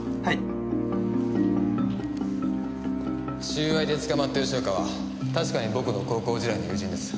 収賄で捕まった吉岡は確かに僕の高校時代の友人です。